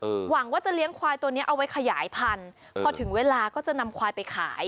หวังว่าจะเลี้ยงควายตัวเนี้ยเอาไว้ขยายพันธุ์พอถึงเวลาก็จะนำควายไปขาย